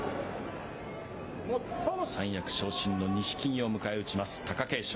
三役昇進の錦木を迎え撃ちます貴景勝。